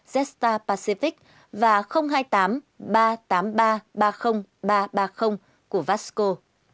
một nghìn chín trăm linh một nghìn năm trăm năm mươi zesta pacific và hai mươi tám ba trăm tám mươi ba ba mươi ba trăm ba mươi của vasco